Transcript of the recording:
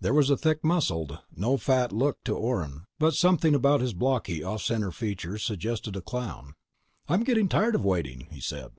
There was a thick muscled, no fat look to Orne, but something about his blocky, off center features suggested a clown. "I'm getting tired of waiting," he said.